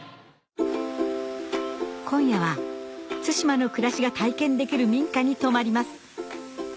今夜は対馬の暮らしが体験できる民家に泊まります